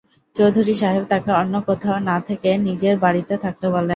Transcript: চৌধুরী সাহেব তাকে অন্য কোথাও না থেকে নিজের বাড়িতে থাকতে বলেন।